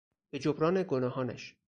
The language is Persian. به جبران گناهانش